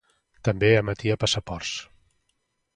També emetia passaports.